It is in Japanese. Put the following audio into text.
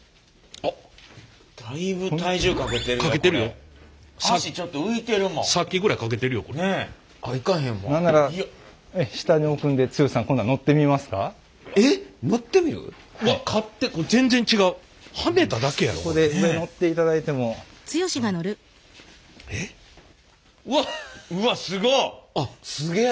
あっすげえ。